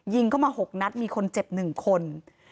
เข้ามา๖นัดมีคนเจ็บ๑คน